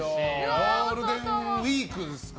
ゴールデンウィークですか。